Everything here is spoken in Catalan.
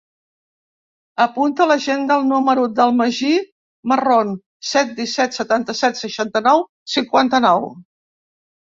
Apunta a l'agenda el número del Magí Marron: set, disset, setanta-set, seixanta-nou, cinquanta-nou.